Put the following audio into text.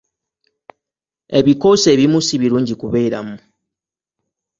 Ebikoosi ebimu si birungi kubeeramu.